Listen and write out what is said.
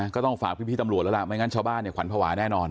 ก็ต้องฝากพี่ตำรวจแล้วล่ะไม่งั้นชาวบ้านเนี่ยขวัญภาวะแน่นอน